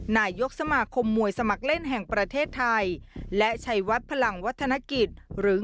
นายกสมาคมมวยสมัครเล่นแห่งประเทศไทยและชัยวัดพลังวัฒนกิจหรือ